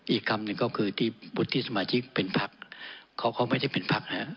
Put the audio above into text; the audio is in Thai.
อีกคำหนึ่งก็คือที่วุฒิสมาชิกเป็นพักเขาเขาไม่ได้เป็นพักนะครับ